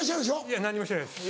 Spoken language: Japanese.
いや何にもしてないです。